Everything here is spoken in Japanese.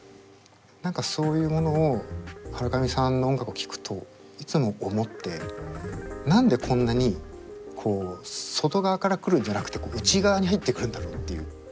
何かそういうものをハラカミさんの音楽を聴くといつも思って何でこんなにこう外側から来るんじゃなくて内側に入ってくるんだろうっていう。